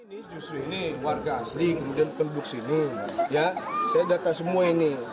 ini justru ini warga asli kemudian penduduk sini ya saya data semua ini